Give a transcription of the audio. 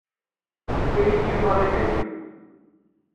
Yefka-yi-d Yuba idrimen.